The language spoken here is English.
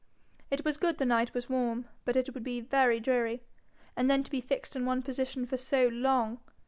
It was good the night was warm, but it would be very dreary. And then to be fixed in one position for so long!